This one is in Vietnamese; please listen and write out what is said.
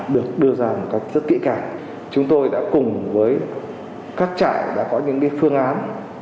được đưa ra một cách rất kỹ càng chúng tôi đã cùng với các trại đã có những phương án